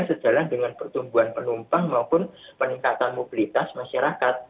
sejalan dengan pertumbuhan penumpang maupun peningkatan mobilitas masyarakat